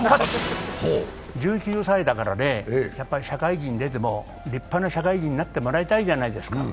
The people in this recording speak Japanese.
１９歳だからね、社会に出ても立派な社会人になってもらいたいじゃないですか。